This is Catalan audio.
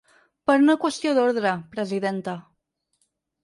Per una qüestió d’ordre, presidenta.